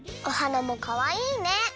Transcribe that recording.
おはなもかわいいね！